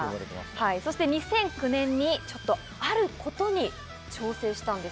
そして２００９年にちょっと、あることに挑戦したんです。